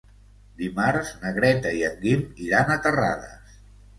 Dimarts na Greta i en Guim iran a Terrades.